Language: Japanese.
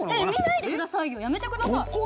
見ないでくださいよやめてください。